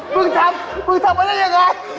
เพิ่งทำเพิ่งทำอะไรอย่างไร